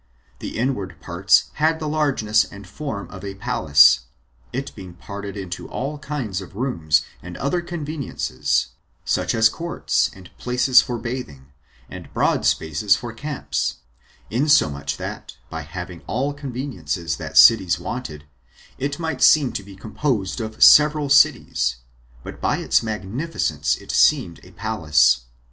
The inward parts had the largeness and form of a palace, it being parted into all kinds of rooms and other conveniences, such as courts, and places for bathing, and broad spaces for camps; insomuch that, by having all conveniences that cities wanted, it might seem to be composed of several cities, but by its magnificence it seemed a palace.